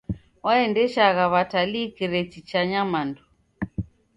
Waendeshagha w'atalii kireti cha nyamandu.